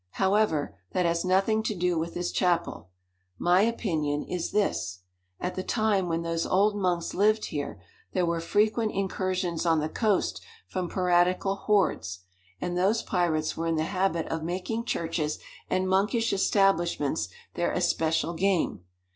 However, that has nothing to do with this chapel. My opinion is this: At the time when those old monks lived here there were frequent incursions on the coast from piratical hordes, and those pirates were in the habit of making churches and monkish establishments their especial game.